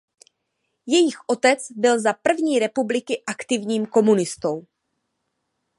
Jejich otec byl za první republiky aktivním komunistou.